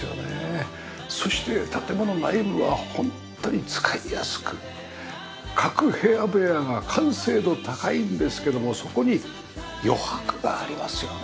そして建物内部はホントに使いやすく各部屋部屋が完成度高いんですけどもそこに余白がありますよね。